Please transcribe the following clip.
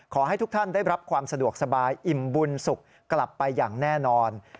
ขอให้ทุกท่านได้รับความสะดวกสบายอิ่มบุญสุขกลับไปอย่างแน่นอน